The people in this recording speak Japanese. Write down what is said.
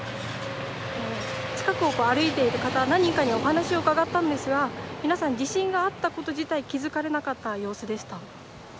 近くを歩いている方、何人かにお話を伺ったんですが皆さん、地震があったこと自体、気付かれなかった様子でした。